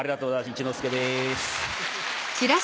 一之輔です。